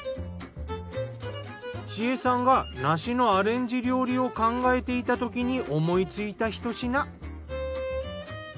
智恵さんが梨のアレンジ料理を考えていたときに思いついたひと品。